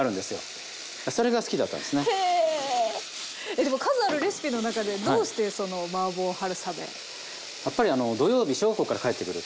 でも数あるレシピの中でどうしてそのマーボー春雨。